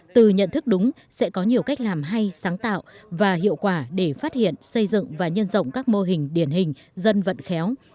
từ nhận thức đúng sẽ có nhiều cách làm hay sáng tạo và hiệu quả để phát hiện xây dựng và nhân rộng các mô hình điển hình dân vận khéo